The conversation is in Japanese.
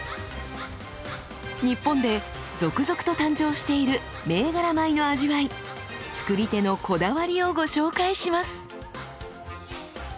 日本で続々と誕生している銘柄米の味わい作り手のこだわりをご紹介します。